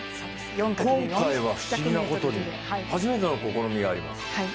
今回は不思議なことに、初めての試みがあります。